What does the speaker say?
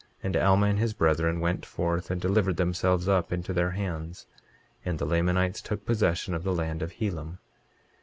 And Alma and his brethren went forth and delivered themselves up into their hands; and the Lamanites took possession of the land of Helam.